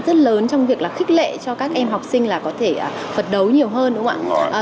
rất lớn trong việc là khích lệ cho các em học sinh là có thể phấn đấu nhiều hơn đúng không ạ